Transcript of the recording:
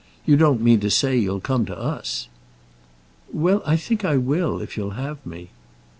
You don't mean to say you'll come to us!" "Well; I think I will, if you'll have me."